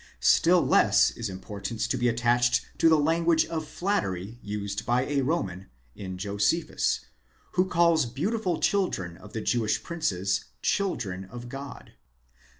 Still less is importance to be attached to the language of flattery «used by a Roman, in Josephus, who calls beautiful children of the Jewish princes children of God.